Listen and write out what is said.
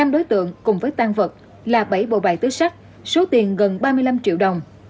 năm đối tượng cùng với tan vật là bảy bộ bài túi sách số tiền gần ba mươi năm triệu đồng